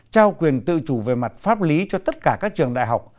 trao quyền tự chủ về mặt pháp lý cho tất cả các trường đại học